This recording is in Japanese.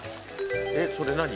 えっそれ何？